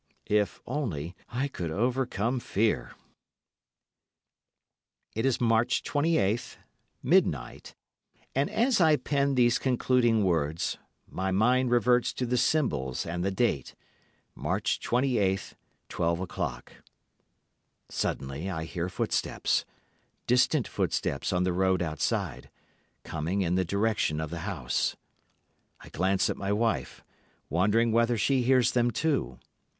If only I could overcome fear! It is March 28th, midnight, and as I pen these concluding words, my mind reverts to the symbols and the date—March 28th, twelve o'clock. Suddenly I hear footsteps—distant footsteps on the road outside—coming in the direction of the house. I glance at my wife, wondering whether she hears them too.